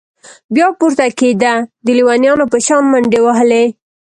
بيا پورته كېده د ليونيانو په شان منډې وهلې.